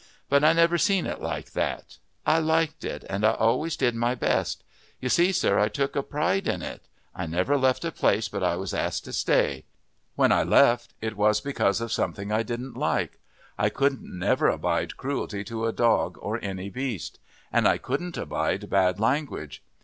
But I never seen it like that; I liked it, and I always did my best. You see, sir, I took a pride in it. I never left a place but I was asked to stay. When I left it was because of something I didn't like. I couldn't never abide cruelty to a dog or any beast. And I couldn't abide bad language.